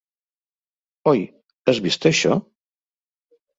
Oi, has vist això?